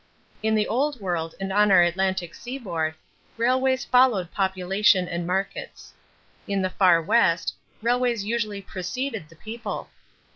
= In the Old World and on our Atlantic seaboard, railways followed population and markets. In the Far West, railways usually preceded the people.